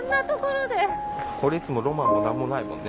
俺いつもロマンも何もないもんね。